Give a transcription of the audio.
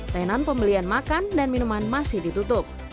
tenan pembelian makan dan minuman masih ditutup